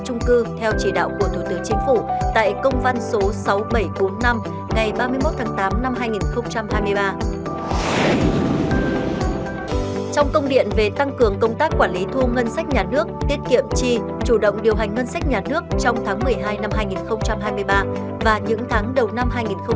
trong công điện về tăng cường công tác quản lý thu ngân sách nhà nước tiết kiệm chi chủ động điều hành ngân sách nhà nước trong tháng một mươi hai năm hai nghìn hai mươi ba và những tháng đầu năm hai nghìn hai mươi bốn